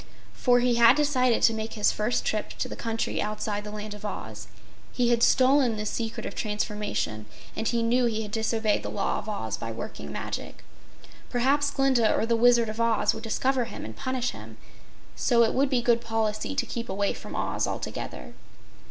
For he had decided to make his first trip to the country outside the Land of Oz. He had stolen this secret of transformation and he knew he had disobeyed the law of Oz by working magic. Perhaps Glinda or the Wizard of Oz would discover him and punish him, so it would be good policy to keep away from Oz altogether.